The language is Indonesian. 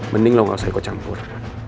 mending lo gak usah ikut campur